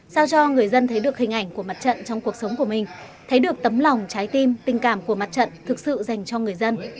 sao cho người dân thấy được hình ảnh của mặt trận trong cuộc sống của mình thấy được tấm lòng trái tim tình cảm của mặt trận thực sự dành cho người dân